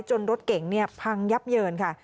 จนรถเก่งเนี่ยพังยับเยินค่ะ